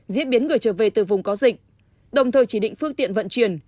diễn biến người trở về từ vùng có dịch đồng thời chỉ định phương tiện vận chuyển